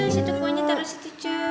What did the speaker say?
situ kuahnya taro situ cu